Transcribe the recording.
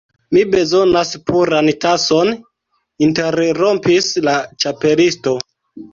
"Mi bezonas puran tason," interrompis la Ĉapelisto.